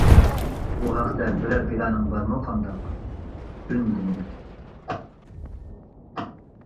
بۇ ھەقتە بىرەر پىلانىڭ بارمۇ قانداق؟ ئۈندىمىدىم.